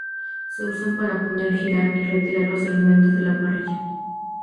Se usan para poner, girar y retirar los alimentos de la parrilla.